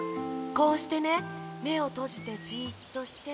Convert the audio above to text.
こうしてねめをとじてじっとして。